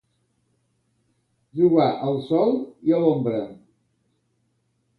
Jugar al sol i a l'ombra.